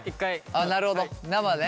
あっなるほど生ね。